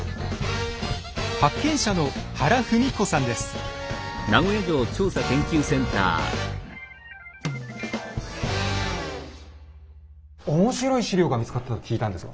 発見者の面白い史料が見つかったと聞いたんですが。